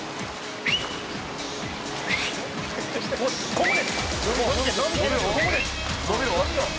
「ここです！」